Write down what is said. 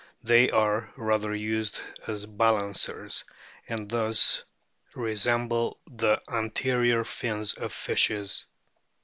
They are rather used as balancers, and thus resemble the anterior fins of fishes.